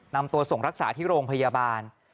นำตัวส่งรักษาที่โรงพยาบาล